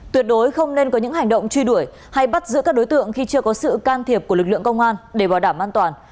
tuyệt đối không nên có những hành động truy đuổi hay bắt giữ các đối tượng khi chưa có sự can thiệp của lực lượng công an để bảo đảm an toàn